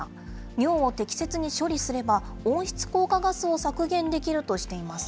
尿を適切に処理すれば、温室効果ガスを削減できるとしています。